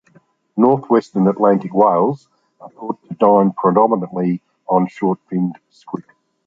Northwestern Atlantic whales are thought to dine predominately on short-finned squid.